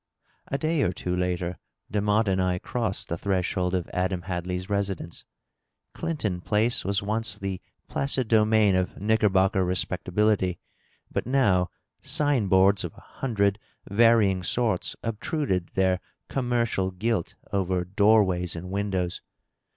A day or two later Demotte ancj I crossed the threshold of Adam Hadley's residence. Clinton Place was once the placid domain of Knickerbocker respectability, but now sign boards of a hundred varying sorts obtruded their commercial gilt over door ways and windows.